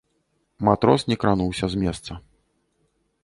Матрос не крануўся з месца.